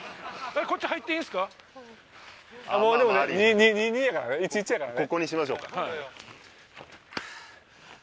もうでもね２：２やからね１：１やからね